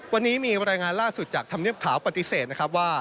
วันนี้มีรายงานล่าสุดจากธรรมเนียบขาวปฏิเสธนะครับว่า